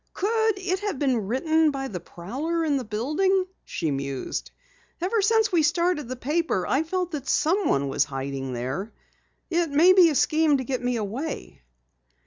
"Could it have been written by a prowler in the building?" she mused. "Ever since we started the paper I've felt that someone was hiding there. It may be a scheme to get me away."